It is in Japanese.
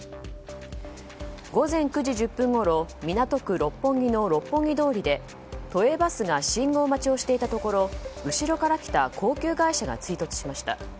午前９時１０分ごろ港区六本木の六本木通りで都営バスが信号待ちをしていたところ後ろから来た高級外車が追突しました。